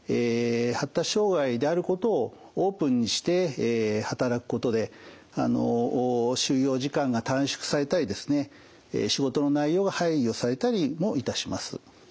発達障害であることをオープンにして働くことで就労時間が短縮されたり仕事の内容が配慮されたりもいたします。